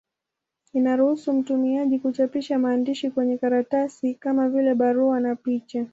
Inaruhusu mtumiaji kuchapisha maandishi kwenye karatasi, kama vile barua na picha.